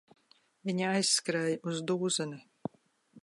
Viņi aizskrēja uz dūzeni.